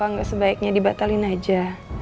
apa gak sebaiknya dibatalin aja